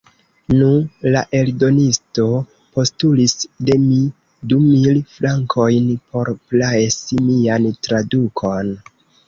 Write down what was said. Nu, la eldonisto postulis de mi du mil frankojn por presi mian tradukon.